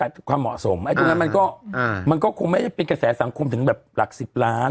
แต่งานที่มันดำเนินการออกแบบเสร็จไปแล้ว